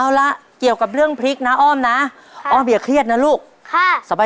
เอาละเกี่ยวกับเรื่องพริกนะอ้อมนะอ้อมอย่าเครียดนะลูกค่ะสบาย